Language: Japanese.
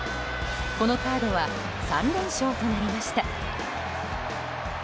このカードは３連勝となりました。